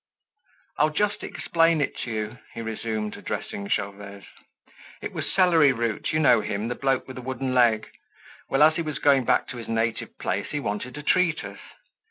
"I'll just explain it to you," he resumed, addressing Gervaise. "It was Celery Root, you know him, the bloke with a wooden leg. Well, as he was going back to his native place, he wanted to treat us.